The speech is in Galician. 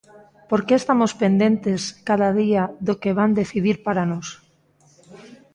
Por que estamos pendentes, cada día, do que van decidir para nós?